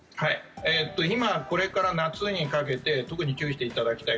今、これから夏にかけて特に注意していただきたい